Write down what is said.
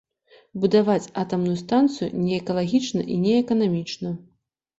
Будаваць атамную станцыю неэкалагічна і неэканамічна.